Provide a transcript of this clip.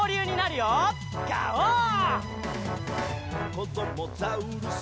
「こどもザウルス